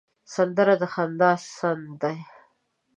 سندره د خندا سند دی